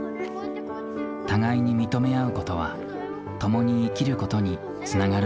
互いに認め合うことは共に生きることにつながるのかもしれない。